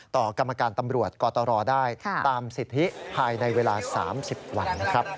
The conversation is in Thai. ต่อกรรมการตำรวจกตรอได้ตามสิทธิภายในเวลา๓๐วัน